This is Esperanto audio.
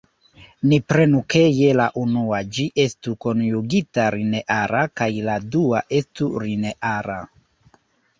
Ni prenu ke je la unua ĝi estu konjugita-lineara kaj la dua estu lineara.